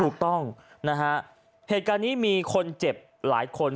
ถูกต้องนะฮะเหตุการณ์นี้มีคนเจ็บหลายคน